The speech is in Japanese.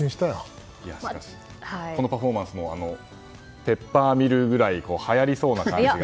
このパフォーマンスもペッパーミルぐらいはやりそうな感じが。